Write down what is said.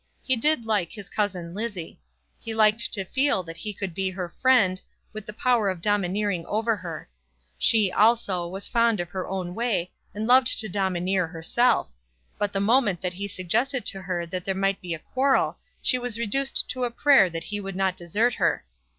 He did like his cousin Lizzie. He liked to feel that he could be her friend, with the power of domineering over her. She, also, was fond of her own way, and loved to domineer herself; but the moment that he suggested to her that there might be a quarrel, she was reduced to a prayer that he would not desert her.